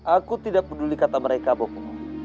aku tidak peduli kata mereka pokoknya